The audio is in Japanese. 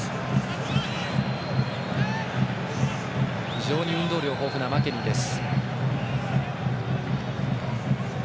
非常に運動量豊富なマケニーです。